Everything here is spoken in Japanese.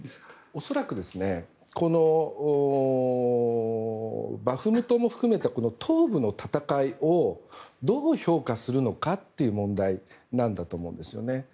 恐らくバフムトも含めた東部の戦いをどう評価するのかという問題なんだと思うんですよね。